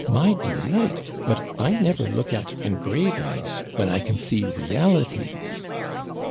my delight! but I never look at engravings when I can see realities.'